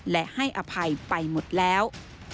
และให้อภัยไปหมดแล้ว